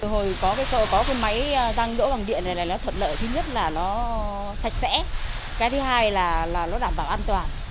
hồi có cái máy rang đỗ bằng điện này là nó thuận lợi thứ nhất là nó sạch sẽ cái thứ hai là nó đảm bảo an toàn